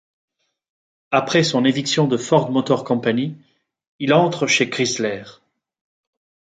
Après son éviction de Ford Motor Company, il entre chez Chrysler.